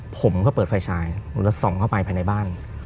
ผมก็เปิดไฟฉายแล้วส่องเข้าไปภายในบ้าน